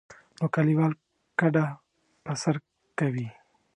نو کلیوال کډه په سر کوي.